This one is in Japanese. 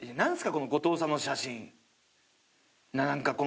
この後藤さんの写真。